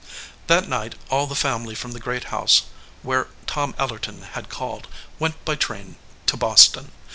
That night all the family from the great house where Tom Ellerton had called went by train to Boston.